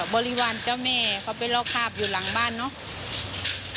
บริวารเจ้าแม่เขาไปลอกคาบอยู่หลังบ้านเนอะ